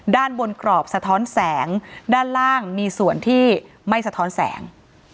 ด้านบนกรอบสะท้อนแสงด้านล่างมีส่วนที่ไม่สะท้อนแสง